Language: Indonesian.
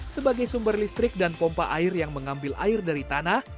sebagai sumber listrik dan pompa air yang mengambil air dari tanah